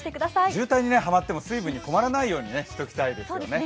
渋滞にはまっても、水分に困らないようにしておきたいですよね。